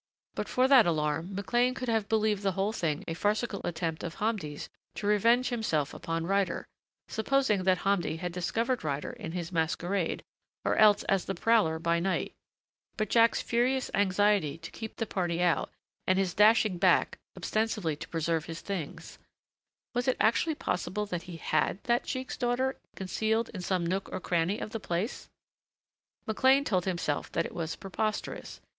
But for that alarm McLean could have believed the whole thing a farcical attempt of Hamdi's to revenge himself upon Ryder supposing that Hamdi had discovered Ryder in his masquerade or else as the prowler by night but Jack's furious anxiety to keep the party out, and his dashing back, ostensibly to preserve his things Was it actually possible that he had that sheik's daughter concealed in some nook or cranny of the place? McLean told himself that it was preposterous.